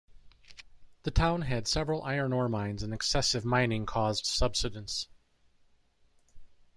The town had several iron ore mines and excessive mining caused subsidence.